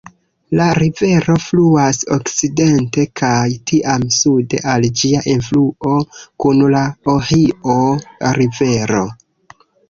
La rivero fluas okcidente kaj tiam sude al ĝia enfluo kun la Ohio-Rivero.